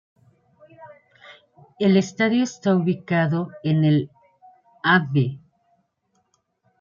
El estadio está ubicado en el Av.